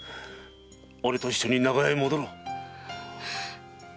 俺と一緒に長屋へ戻ろう。